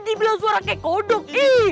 dibilang suara kayak kodok